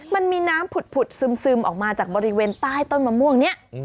มันมีน้ำผุดซึมออกมาจากบริเวณใต้ต้นมะม่วงนี้